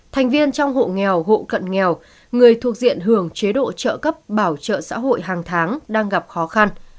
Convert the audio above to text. thành viên trong hộ nghèo hộ cận nghèo người thuộc diện hưởng chế độ trợ cấp bảo trợ xã hội hàng tháng đang gặp khó khăn